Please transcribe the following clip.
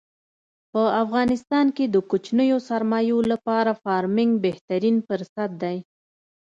په افغانستان کې د کوچنیو سرمایو لپاره فارمنګ بهترین پرست دی.